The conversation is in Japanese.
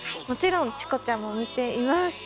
もちろん「チコちゃん」も見ています。